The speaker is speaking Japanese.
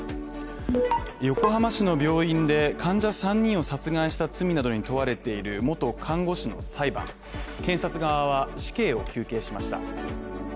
横浜市の病院で患者３人を殺害した罪などに問われている元看護師の裁判で、検察側は死刑を求刑しました。